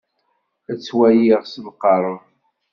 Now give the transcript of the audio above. Ad t-waliɣ s lqerb.